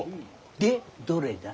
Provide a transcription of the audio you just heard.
でどれだ？